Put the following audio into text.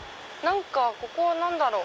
ここは何だろう？